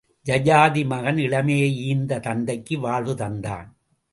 யயாதிமகன் இளமையை ஈந்து தந்தைக்கு வாழ்வு தந்தான்.